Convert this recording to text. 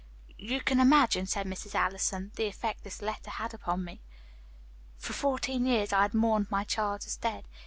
"You can imagine," said Mrs. Allison, "the effect this letter had upon me. For fourteen years I had mourned my child as dead.